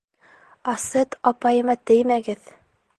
— Асет апайыма теймәгеҙ!